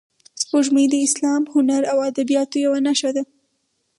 سپوږمۍ د اسلام، هنر او ادبیاتو یوه نښه ده